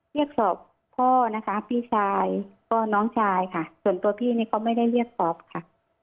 เรียกสอบพ่อนะคะพี่ชายก็น้องชายค่ะส่วนตัวพี่เนี่ยเขาไม่ได้เรียกสอบค่ะ